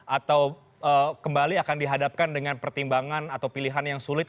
atau kembali akan dihadapkan dengan pertimbangan atau pilihan yang sulit